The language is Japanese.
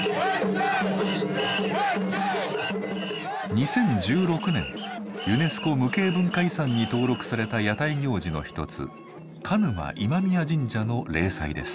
２０１６年ユネスコ無形文化遺産に登録された屋台行事の一つ鹿沼今宮神社の例祭です。